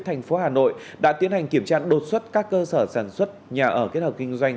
thành phố hà nội đã tiến hành kiểm tra đột xuất các cơ sở sản xuất nhà ở kết hợp kinh doanh